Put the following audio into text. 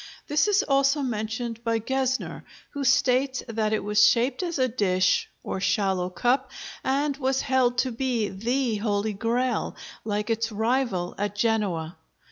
This is also mentioned by Gesner, who states that it was shaped as a dish, or shallow cup, and was held to be the Holy Grail, like its rival at Genoa.